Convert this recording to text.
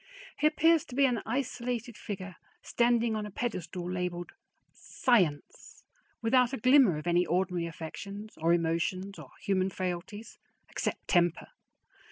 He appears to be an isolated figure standing on a pedestal labeled S C I E N C E, without a glimmer of any ordinary affections or emotions or human frailties except temper.